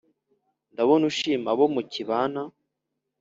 ndabona ushima abo mukibana